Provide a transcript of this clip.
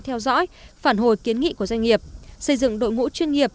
theo dõi phản hồi kiến nghị của doanh nghiệp xây dựng đội ngũ chuyên nghiệp